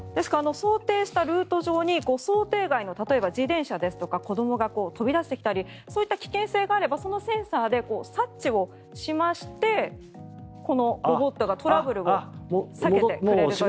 想定したルート上に想定外の例えば、自転車ですとか子どもが飛び出してきたりそういった危険性があればそのセンサーで察知をしまして、このロボットがトラブルを避けてくれるということです。